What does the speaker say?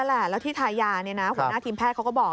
แล้วที่ทายาเนี่ยนะหัวหน้าทีมแพทย์เขาก็บอก